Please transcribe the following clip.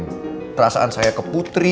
perasaan saya ke putri rasa sayang saya ke putri